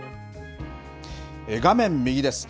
画面右です。